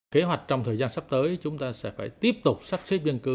kế hoạch trong thời gian sắp tới chúng ta sẽ phải tiếp tục sắp xếp dân cư